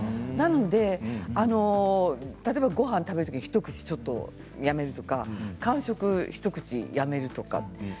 なので例えばごはんを食べるとき一口ちょっとやめるとか間食を一口やめるとか